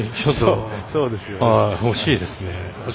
欲しいですね。